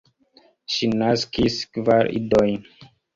Ŝi naskis kvar idojn.